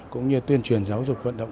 cũng như tuyên truyền giáo dục vận động